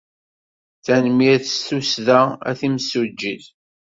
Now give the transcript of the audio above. Tanemmirt s tussda, a timsujjit.